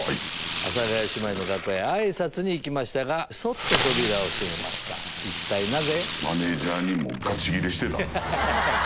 阿佐ヶ谷姉妹の楽屋へあいさつに行きましたがそっと扉を閉めました一体なぜ？